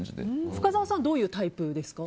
深澤さんはどういうタイプですか？